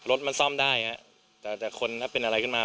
รถมันซ่อมได้ฮะแต่แต่คนถ้าเป็นอะไรขึ้นมา